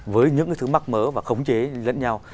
với những cái thứ mắc mớ và khống chế lẫn nhau